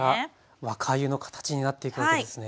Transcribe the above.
若あゆの形になっていくわけですね。